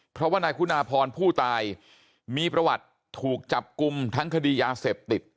เพราะว่านายคุณาพรผู้ตายมีประวัติถูกจับกลุ่มทั้งคดียาเสพติด